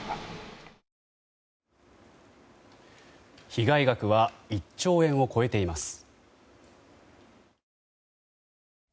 被害額は１兆円を超えています。